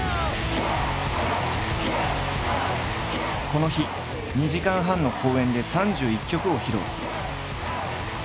この日２時間半の公演で３１曲を披露。